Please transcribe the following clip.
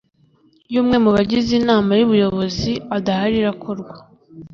Iyo umwe mu bagize Inama y’ubuyobozi adahari irakorwa